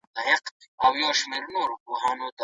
روښانه فکر باور نه ځنډوي.